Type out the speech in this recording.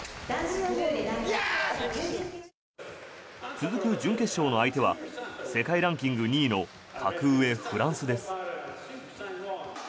続く準決勝の相手は世界ランキング２位の格上フランスです。